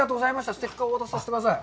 ステッカーをお渡しさせてください。